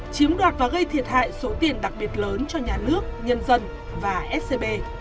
chiếm đoạt và gây thiệt hại số tiền đặc biệt lớn cho nhà nước nhân dân và scb